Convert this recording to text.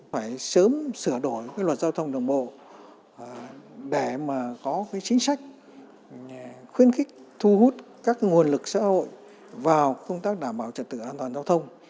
phải sớm sửa đổi luật giao thông đường bộ để mà có cái chính sách khuyến khích thu hút các nguồn lực xã hội vào công tác đảm bảo trật tự an toàn giao thông